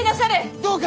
どうか！